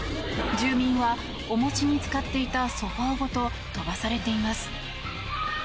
住民は、重しに使っていたソファごと飛ばされています。